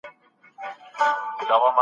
څنګه کولی شو عضلات د ارام پر مهال قوي وساتو؟